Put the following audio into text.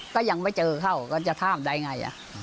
ก็ยังไม่เจอเขาก็จะข้ามได้ไง